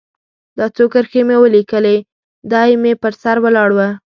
دا څو کرښې مې ولیکلې، دی مې پر سر ولاړ و.